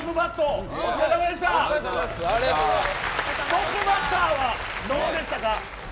トップバッターはどうでしたか。